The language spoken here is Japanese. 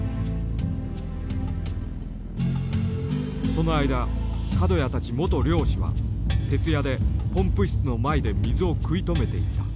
その間角谷たち元漁師は徹夜でポンプ室の前で水を食い止めていた。